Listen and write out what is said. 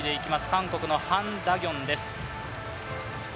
韓国のハン・ダギョンです。